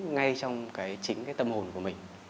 ngay trong cái chính cái tâm hồn của mình